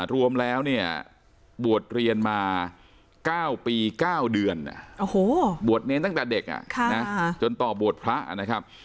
รวมแล้วเนี่ยบวชเรียนมา๙ปี๙เดือนบวชเนรตั้งแต่เด็กจนต่อบวชพระนะครับ